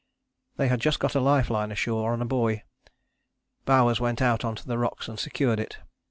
"They had just got a life line ashore on a buoy. Bowers went out on to the rocks and secured it.